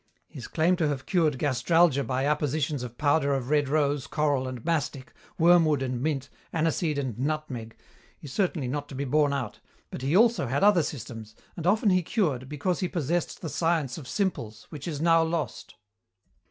His claim to have cured gastralgia by appositions of powder of red rose, coral and mastic, wormwood and mint, aniseed and nutmeg, is certainly not to be borne out, but he also had other systems, and often he cured, because he possessed the science of simples, which is now lost.